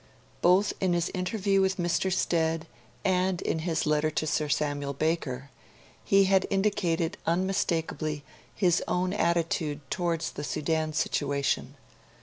Both in his interview with Mr. Stead and in his letter to Sir Samuel Baker, he had indicated unmistakably his own attitude towards the Sudan situation.